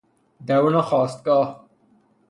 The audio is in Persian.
درون خاستگاه